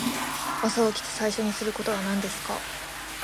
朝起きて最初にすることは何ですか。